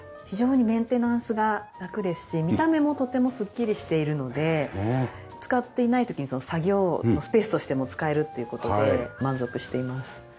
非常にメンテナンスが楽ですし見た目もとてもスッキリしているので使っていない時に作業のスペースとしても使えるっていう事で満足しています。